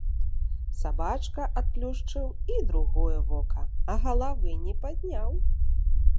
Сабачка адплюшчыў і другое вока, а галавы не падняў.